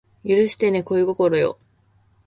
許してね恋心よ